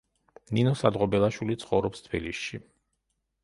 ნინო სადღობელაშვილი ცხოვრობს თბილისში.